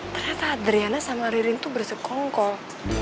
ternyata adriana sama ririn itu bersekongkol